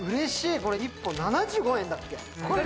これ１本７５円だっけ？